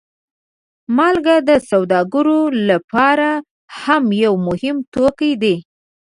مالګه د سوداګرو لپاره هم یو مهم توکی دی.